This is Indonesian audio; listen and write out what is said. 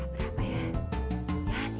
ya berapa ya